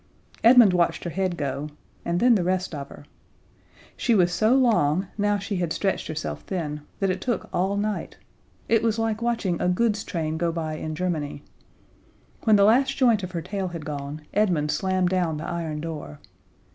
Edmund watched her head go and then the rest of her. She was so long, now she had stretched herself thin, that it took all night. It was like watching a goods train go by in Germany. When the last joint of her tail had gone Edmund slammed down the iron door.